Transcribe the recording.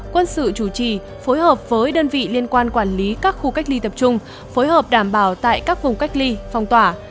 quân sự chủ trì phối hợp với đơn vị liên quan quản lý các khu cách ly tập trung phối hợp đảm bảo tại các vùng cách ly phong tỏa